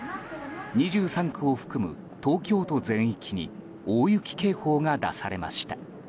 ２３区を含む東京都全域に大雪警報が出されました。